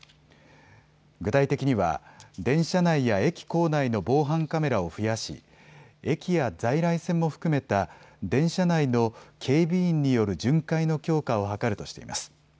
具体的には電車内や駅構内の防犯カメラを増やし駅や在来線も含めた電車内の警備員による巡回の強化を図るとしています。